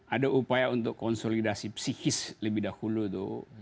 ada upaya untuk konsolidasi psikis lebih dahulu tuh